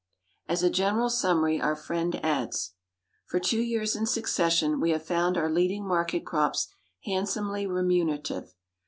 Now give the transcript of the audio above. As a general summary, our friend adds, "For two years in succession, we have found our leading market crops handsomely remunerative.